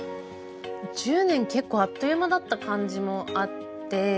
１０年結構あっという間だった感じもあって。